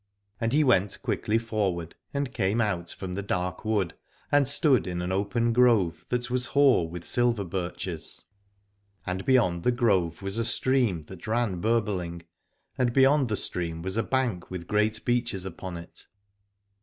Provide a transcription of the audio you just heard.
And he went quickly forward and came out from the dark wood and stood in an open grove that was hoar with silver birches : and beyond the grove was a stream that ran burbling, and beyond the stream was a bank with great beeches upon it.